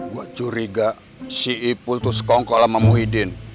gua curiga si ipul itu sekongkol sama muhyiddin